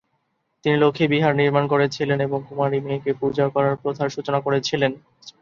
তিনি "লক্ষ্মী বিহার" নির্মাণ করেছিলেন এবং কুমারী মেয়েকে পূজা করার প্রথার সূচনা করেছিলেন।